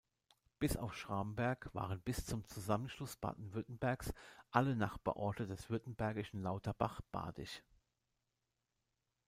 Bis auf Schramberg waren bis zum Zusammenschluss Baden-Württembergs alle Nachbarorte des württembergischen Lauterbach badisch.